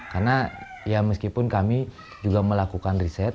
karena meskipun kami juga melakukan riset